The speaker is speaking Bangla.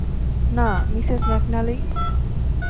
না, মিসেস ম্যাকনালি।